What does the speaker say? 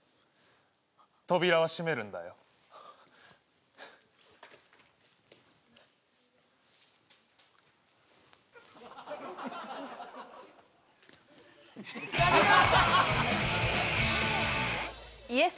扉は閉めるんだよＹｅｓ！